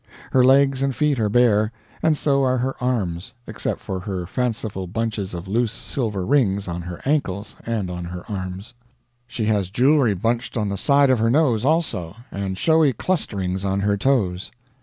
Her legs and feet are bare, and so are her arms, except for her fanciful bunches of loose silver rings on her ankles and on her arms. She has jewelry bunched on the side of her nose also, and showy clusterings on her toes.